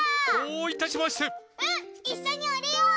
いっしょにおりよう！